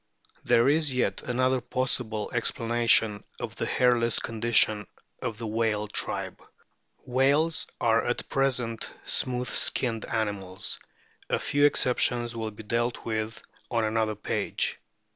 There is yet another possible explanation of the hairless condition of the whale tribe. Whales are at present smooth skinned animals ; a few exceptions will be dealt with on another page (p.